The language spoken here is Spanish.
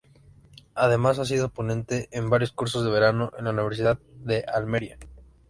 Además, ha sido ponente en varios cursos de verano en la Universidad de Almería.